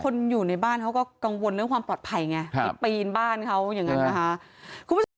คนอยู่ในบ้านเขาก็กังวลเรื่องความปลอดภัยไงที่ปีนบ้านเขาอย่างนั้นนะคะคุณผู้ชม